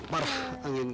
aduh parah angin